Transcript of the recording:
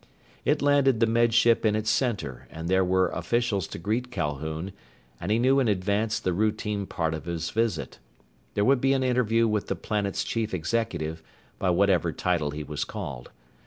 It landed the Med Ship in its center, and there were officials to greet Calhoun, and he knew in advance the routine part of his visit. There would be an interview with the planet's chief executive, by whatever title he was called.